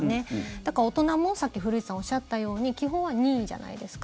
だから大人も、さっき古市さんがおっしゃったように基本は任意じゃないですか。